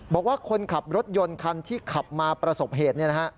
บอกว่าคนขับรถยนต์คันที่ขับมาประสบเหตุ